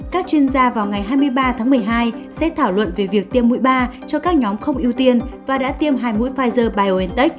các chuyên gia vào ngày hai mươi ba tháng một mươi hai sẽ thảo luận về việc tiêm mũi ba cho các nhóm không ưu tiên và đã tiêm hai mũi pfizer biontech